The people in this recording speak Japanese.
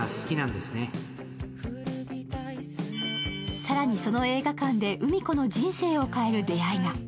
更に、その映画館でうみ子の人生を変える出会いが。